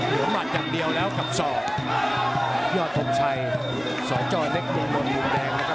เหลือหมัดอย่างเดียวแล้วกับศอกยอดโต่งชัย๒จ้อเล็กมุมมุมแดงนะครับ